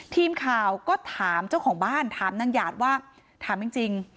ทีมข่าวก็ถามเจ้าของบ้านถามนางหยาดว่าถามจริง